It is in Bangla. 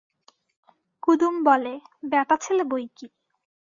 কুদুম বলে, ব্যাটাছেলে বৈকি!